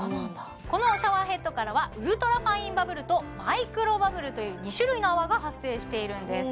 このシャワーヘッドからはウルトラファインバブルとマイクロバブルという２種類の泡が発生しているんです